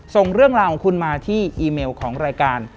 ส่งเรื่องราวของคุณมาที่อีเมลของรายการ